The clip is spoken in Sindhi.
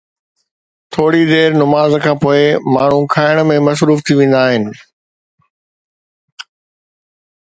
ٿوري دير نماز کان پوءِ ماڻهو کائڻ ۾ مصروف ٿي ويندا آهن.